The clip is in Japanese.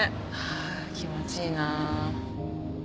あ気持ちいいな。